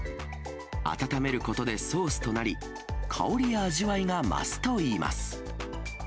温めることでソースとなり、香りや味わいが増すといいます。